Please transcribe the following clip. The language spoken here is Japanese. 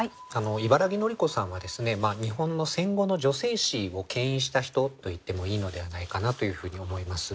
茨木のり子さんは日本の戦後の女性史をけん引した人と言ってもいいのではないかなというふうに思います。